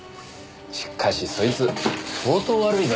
しかしそいつ相当悪いぞ。